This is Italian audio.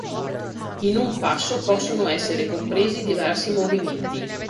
In un passo possono essere compresi diversi movimenti.